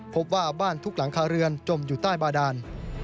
พบว่าบ้านทุกหลังคาเรือนจมอยู่ใต้บาดาน